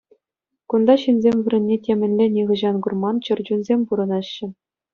Кунта ҫынсем вырӑнне темӗнле нихӑҫан курман чӗрчунсем пурӑнаҫҫӗ.